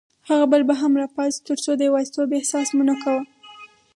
هغه بل به هم راپاڅېد، ترڅو د یوازیتوب احساس مو نه کاوه.